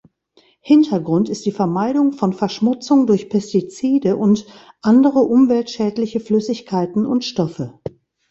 Hintergrund ist die Vermeidung von Verschmutzung durch Pestizide und andere umweltschädliche Flüssigkeiten und Stoffe.